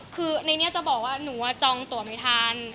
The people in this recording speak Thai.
คือในนี้จะบอกว่าหนูจองตัวไม่ทัน